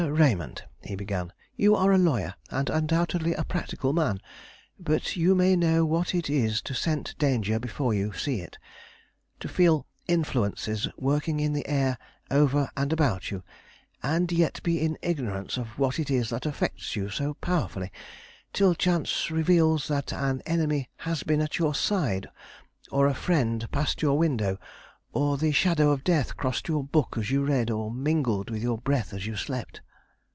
Raymond," he began, "you are a lawyer, and undoubtedly a practical man; but you may know what it is to scent danger before you see it, to feel influences working in the air over and about you, and yet be in ignorance of what it is that affects you so powerfully, till chance reveals that an enemy has been at your side, or a friend passed your window, or the shadow of death crossed your book as you read, or mingled with your breath as you slept?"